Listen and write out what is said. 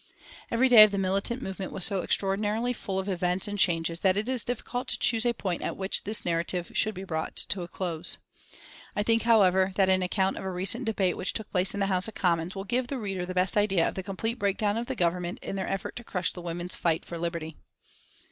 Every day of the militant movement was so extraordinarily full of events and changes that it is difficult to choose a point at which this narrative should be brought to a close. I think, however, that an account of a recent debate which took place in the House of Commons will give the reader the best idea of the complete breakdown of the Government in their effort to crush the women's fight for liberty.